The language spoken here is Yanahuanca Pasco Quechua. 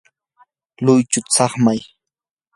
luychuta saqmay.